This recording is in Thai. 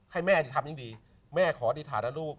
ให้แม่อธิษฐานดิแม่ขออธิษฐานนะลูก